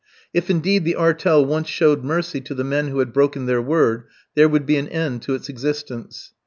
If indeed the "artel" once showed mercy to the men who had broken their word, there would be an end to its existence.